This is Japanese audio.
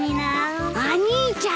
お兄ちゃん！